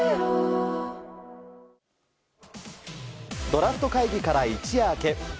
ドラフト会議から一夜明け